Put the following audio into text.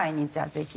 ぜひ。